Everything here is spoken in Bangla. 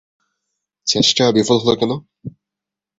চেষ্টা বিফল হল কেন?